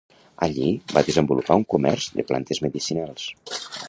Allí va desenvolupar un comerç de plantes medicinals.